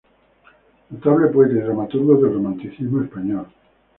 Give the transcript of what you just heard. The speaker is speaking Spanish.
Notable poeta y dramaturgo del romanticismo español.